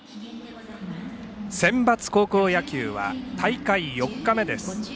センバツ高校野球は大会４日目です。